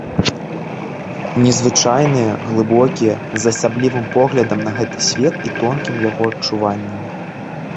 Незвычайныя, глыбокія, з асаблівым поглядам на гэты свет і тонкім яго адчуваннем.